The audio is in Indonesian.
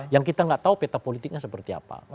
yang kita nggak tahu peta politiknya seperti apa